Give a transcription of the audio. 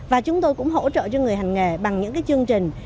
và chúng tôi cũng hỗ trợ cho người hành nghề bằng những cái chương trình